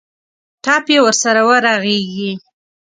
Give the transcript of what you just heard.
ټپ یې ورسره ورغېږي.